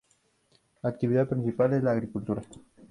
La actividad principal es la agricultura.